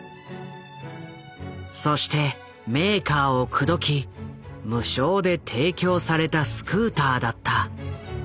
そしてメーカーを口説き無償で提供されたスクーターだった。